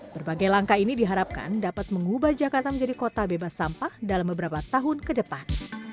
berbagai langkah ini diharapkan dapat mengubah jakarta menjadi kota bebas sampah dalam beberapa tahun ke depan